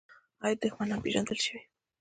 آیا دښمنان پیژندل شوي؟